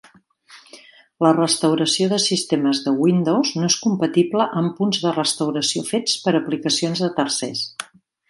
La restauració de sistemes de Windows no és compatible amb punts de restauració fets per aplicacions de tercers.